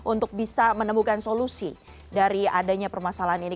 untuk bisa menemukan solusi dari adanya permasalahan ini